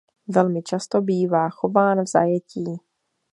Velmi často bývá chován v zajetí.